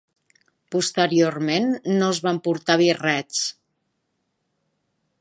Posteriorment, no es van portar birrets.